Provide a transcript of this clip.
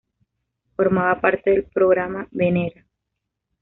Formaba parte del Programa Venera.